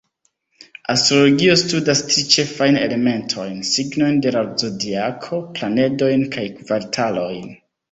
Astrologio studas tri ĉefajn elementojn: signojn de la zodiako, planedojn kaj kvartalojn.